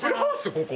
ここ。